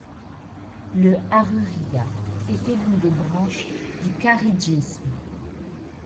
Le Haruriyya était l'une des branches du Kharidjisme.